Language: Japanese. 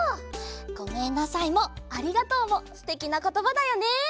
「ごめんなさい」も「ありがとう」もすてきなことばだよね！